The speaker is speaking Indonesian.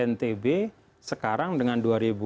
ntb sekarang dengan dua ribu tiga belas